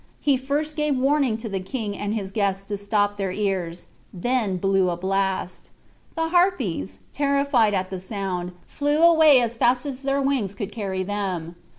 He first gave warning to the king and his guests to stop their ears; then blew a blast. The Harpies, terrified at the sound, flew away as fast as their wings could carry them.